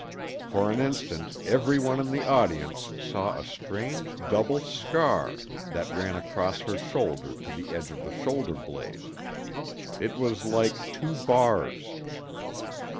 For an instant every one in the audience saw a strange double scar that ran across her shoulder to the edge of the shoulder blade. It was like two bars.